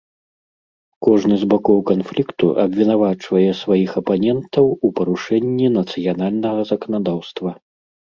Кожны з бакоў канфлікту абвінавачвае сваіх апанентаў у парушэнні нацыянальнага заканадаўства.